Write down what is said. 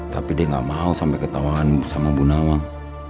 tapi dia gak mau sampe ketawaan sama bu nawang